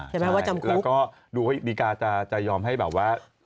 ใช่กูแล้วก็ดูให้ดีการจะยอมแบบว่า